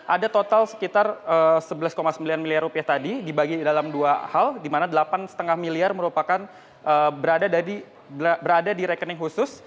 ada total sekitar rp sebelas sembilan miliar rupiah tadi dibagi dalam dua hal di mana delapan lima miliar merupakan berada di rekening khusus